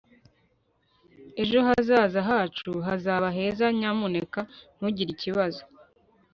ejo hazaza hacu hazaba heza nyamuneka ntugire ikibazo